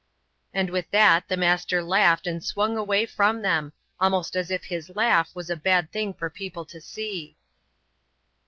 And with that the Master laughed and swung away from them, almost as if his laugh was a bad thing for people to see.